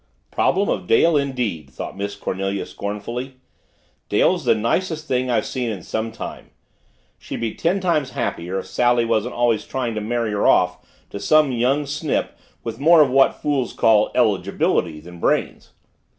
"Problem of Dale, indeed!" thought Miss Cornelia scornfully. "Dale's the nicest thing I've seen in some time. She'd be ten times happier if Sally wasn't always trying to marry her off to some young snip with more of what fools call 'eligibility' than brains!